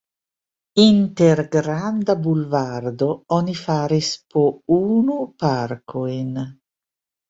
Inter Granda bulvardo oni faris po unu parkojn.